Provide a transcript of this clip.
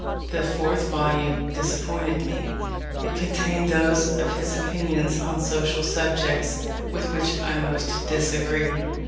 The fourth volume disappointed me: it contained those of his opinions on social subjects with which I most disagree.